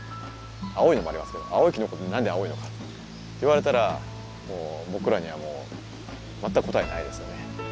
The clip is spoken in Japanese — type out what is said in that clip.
青いものもありますけど青いきのこも何で青いのかっていわれたらもう僕らにはもう全く答えないですよね。